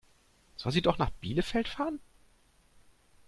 Soll sie doch nach Bielefeld fahren?